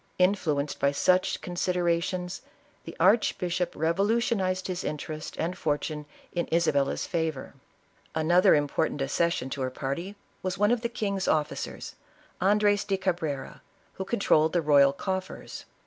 Influenced by such considerations, the arch bishop revolutionized his interest and fortune in Isabel la's favor. Another important accession to her party, was one of the king's officers, Andres do Cabrera, who con trolled the royal coffers.